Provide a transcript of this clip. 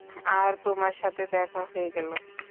আর তোমার সাথে দেখে হয়ে গেলো।